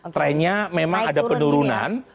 trennya memang ada penurunan